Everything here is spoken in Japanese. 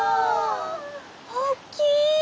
おっきい！